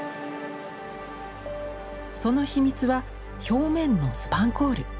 その秘密は表面のスパンコール。